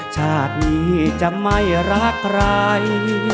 ชาตินี้จะไม่รักใคร